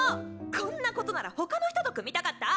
こんなことなら他の人と組みたかったぁ！